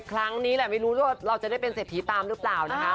ครั้งนี้แหละไม่รู้ว่าเราจะได้เป็นเศรษฐีตามหรือเปล่านะคะ